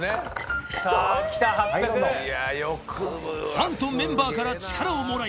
ファンとメンバーから力をもらい